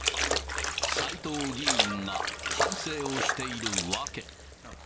斎藤議員が反省をしている訳。